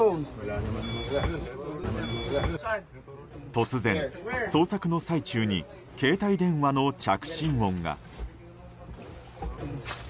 突然、捜索の最中に携帯電話の着信音が。